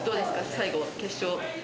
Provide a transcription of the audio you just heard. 最後、決勝。